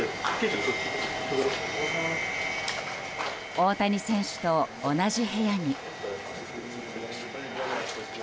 大谷選手と同じ部屋に。